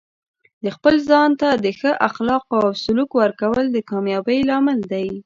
د خپل ځان ته د ښه اخلاقو او سلوک ورکول د کامیابۍ لامل دی.